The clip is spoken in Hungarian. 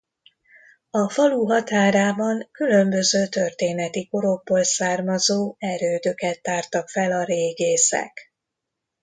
A falu határában különböző történeti korokból származó erődöket tártak fel a régészek.